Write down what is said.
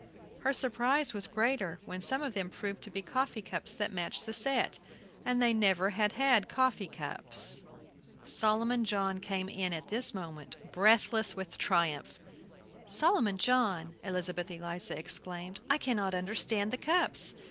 Her surprise was greater when some of them proved to be coffee cups that matched the set! And they never had had coffee cups. Solomon John came in at this moment, breathless with triumph. "Solomon John!" Elizabeth Eliza exclaimed; "I cannot understand the cups!"